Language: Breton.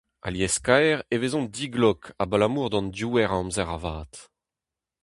Alies-kaer e vezont diglok abalamour d'an diouer a amzer avat.